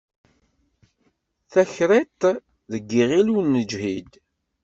Takriṭ d iɣil ur neǧhid.